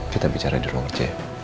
kita bicara di ruang c